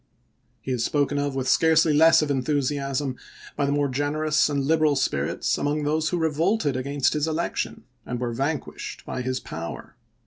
He is spoken of, with scarcely less of enthu siasm, by the more generous and liberal spirits among those who revolted against his election and were vanquished by his power.